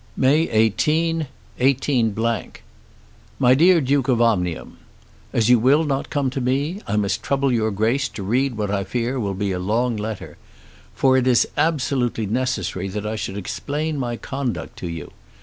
May 18, 18 . MY DEAR DUKE OF OMNIUM, As you will not come to me, I must trouble your Grace to read what I fear will be a long letter. For it is absolutely necessary that I should explain my conduct to you.